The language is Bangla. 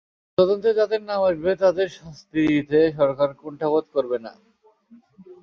তদন্তে যাদের নাম আসবে, তাদের শাস্তি দিতে সরকার কুণ্ঠাবোধ করবে না।